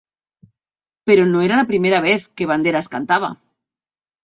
Pero no era la primera vez que Banderas cantaba.